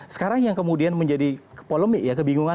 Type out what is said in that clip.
sekarang yang kemudian menjadi polemik ya kebingungan